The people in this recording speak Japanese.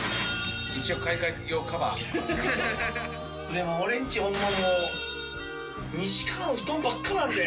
でも俺んちホンマにもう西川の布団ばっかりになるで。